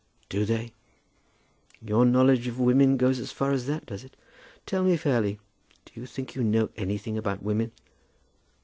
"Do they? Your knowledge of women goes as far as that, does it? Tell me fairly; do you think you know anything about women?"